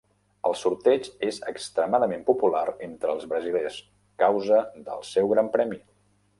El sorteig és extremadament popular entre els brasilers causa del seu gran premi.